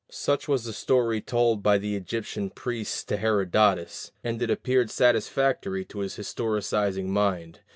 Such was the story told by the Egyptian priests to Herodotus, and it appeared satisfactory to his historicizing mind.